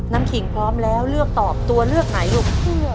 ขิงพร้อมแล้วเลือกตอบตัวเลือกไหนลูก